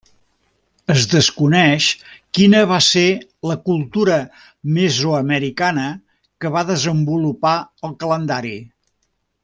Es desconeix quina va ser la cultura mesoamericana que va desenvolupar el calendari.